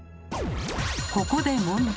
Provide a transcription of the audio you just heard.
ここで問題。